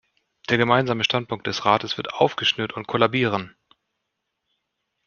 Der Gemeinsame Standpunkt des Rates wird aufgeschnürt und kollabieren.